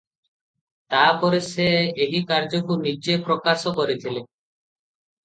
ତା'ପରେ ସେ ଏହି କାର୍ଯ୍ୟକୁ ନିଜେ ପ୍ରକାଶ କରିଥିଲେ ।